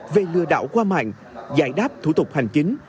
về lừa đảo qua mạng giải đáp thủ tục hành chính